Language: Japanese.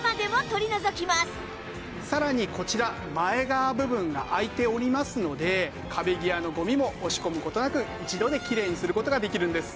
さらにこちら前側部分が開いておりますので壁際のゴミも押し込む事なく一度できれいにする事ができるんです。